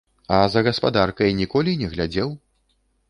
А за гаспадаркай ніколі не глядзеў?